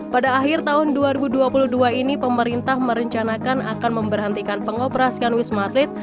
pada akhir tahun dua ribu dua puluh dua ini pemerintah merencanakan akan memberhentikan pengoperasian wisma atlet